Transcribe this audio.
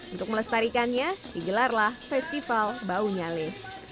untuk melestarikannya digelarlah festival baunya le